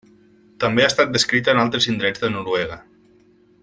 També ha estat descrita en altres indrets de Noruega.